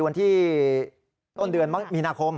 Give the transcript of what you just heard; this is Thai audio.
วันที่ต้นเดือนมีนาคม